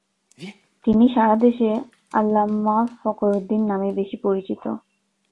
তিনি সারা দেশে আল্লামা ফখরুদ্দীন নামেই বেশী পরিচিত।